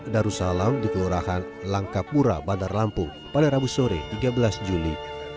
darussalam di kelurahan langkapura bandar lampung pada rabu sore tiga belas juli